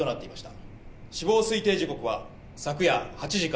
死亡推定時刻は昨夜８時から９時の間」